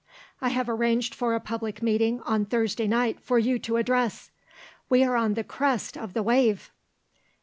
I have arranged for a public meeting on Thursday night for you to address. We are on the crest of the wave!"